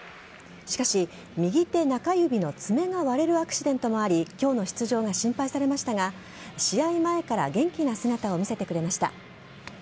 しかし、右手中指の爪が割れるアクシデントもあり今日の出場が心配されましたが試合前から元気な姿を見せてくれました。